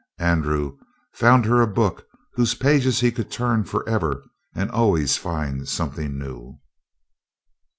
Andrew found her a book whose pages he could turn forever and always find something new.